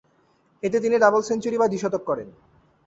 এতে তিনি double century বা দ্বি-শতক করেন।